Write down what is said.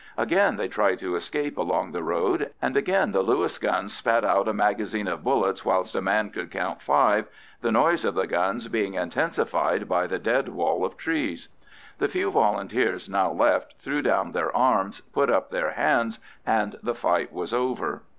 Again they tried to escape along the road, and again the Lewis guns spat out a magazine of bullets whilst a man could count five, the noise of the guns being intensified by the dead wall of trees. The few Volunteers now left threw down their arms, put up their hands, and the fight was over.